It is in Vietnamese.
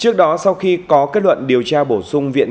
trước đó sau khi có kết luận điều tra bổ sung viện